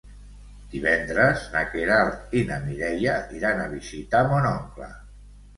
Divendres na Queralt i na Mireia iran a visitar mon oncle.